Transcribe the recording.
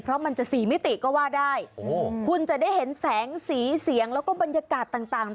เพราะมันจะสี่มิติก็ว่าได้คุณจะได้เห็นแสงสีเสียงแล้วก็บรรยากาศต่าง